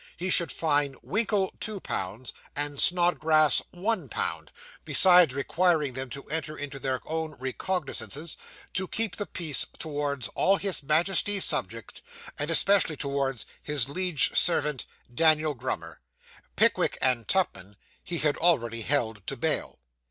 He should fine Winkle two pounds, and Snodgrass one pound, besides requiring them to enter into their own recognisances to keep the peace towards all his Majesty's subjects, and especially towards his liege servant, Daniel Grummer. Pickwick and Tupman he had already held to bail.